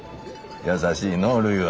優しいのうるいは。